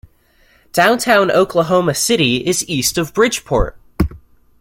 Downtown Oklahoma City is east of Bridgeport.